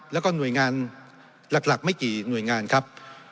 แล้วก็หน่วยงานหลักไม่กี่หน่วยงานครับ